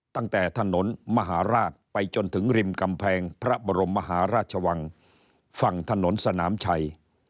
ตั้งแต่ถนนมหาราชไปจนถึงริมกำแพงพระบรมมหาราชวังฝั่งถนนสนามชัย